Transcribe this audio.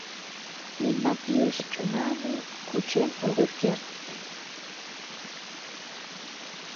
Мемнам илыше чонаным кучен огыт керт.